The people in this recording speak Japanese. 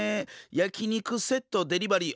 焼き肉セットデリバリー